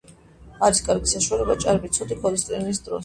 არის კარგი საშუალება ჭარბი ცუდი ქოლესტერინის დროს.